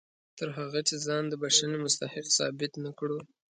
تر هغه چې ځان د بښنې مستحق ثابت نه کړو.